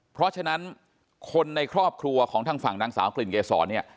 เพราะฉะนั้นคนในครอบครัวของทางฝั่งนางสาวกลิ่นเกษรเนี่ย